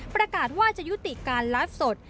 ประกาศว่าจะยุติการไลฟ์สด